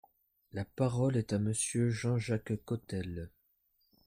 La parole est à Monsieur Jean-Jacques Cottel.